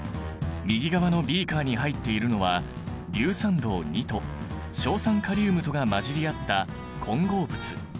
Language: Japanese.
右側のビーカーに入っているのは硫酸銅と硝酸カリウムとが混じり合った混合物。